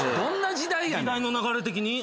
時代の流れ的に。